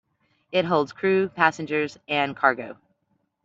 It holds crew, passengers, and cargo.